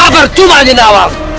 berkubah nyi nawa